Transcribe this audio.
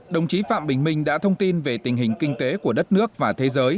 đồng chí phạm bình minh đã thông tin về tình hình kinh tế của đất nước và thế giới